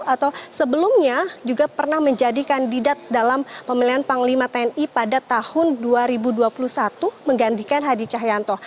atau sebelumnya juga pernah menjadi kandidat dalam pemilihan panglima tni pada tahun dua ribu dua puluh satu menggantikan hadi cahyanto